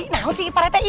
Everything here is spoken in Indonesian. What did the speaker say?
nah oh sih pak rt